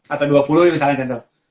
atau dua puluh misalnya contoh